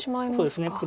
そうですね